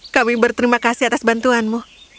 kami berterima kasih atas bantuanmu